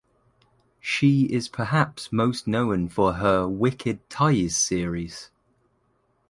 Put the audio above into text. She is perhaps most known for her "Wicked Ties" series.